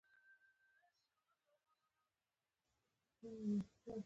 چيغه يې کړه! توپونه تيار دي؟